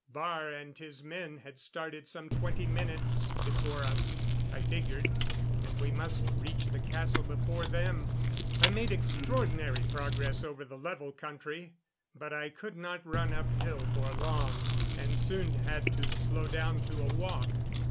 Baar and his men had started some twenty minutes before us, I figured, and we must reach the castle before them. I made extraordinary progress over the level country. But I could not run uphill for long, and soon had to slow down to a walk.